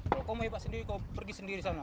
kalau kau mau hebat sendiri kau pergi sendiri sana